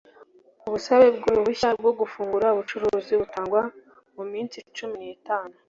ubusabe bw ‘uruhushya rwogufungura ubuucuruzi butangwa mu minsi cumi n’ itanu.